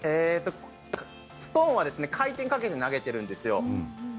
ストーンは回転をかけて投げてるんですよ。